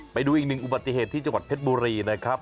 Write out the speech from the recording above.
ไปดูอีกหนึ่งอุบัติเหตุที่จังหวัดเพชรบุรีนะครับ